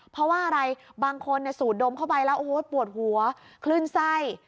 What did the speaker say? เพราะว่าอะไรบางคนสูดดมเข้าไปแล้วโอ้โหปวดหัวคลื่นไส้